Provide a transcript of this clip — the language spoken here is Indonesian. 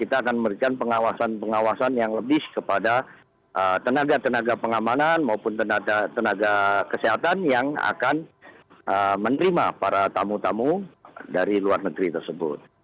kita akan memberikan pengawasan pengawasan yang lebih kepada tenaga tenaga pengamanan maupun tenaga kesehatan yang akan menerima para tamu tamu dari luar negeri tersebut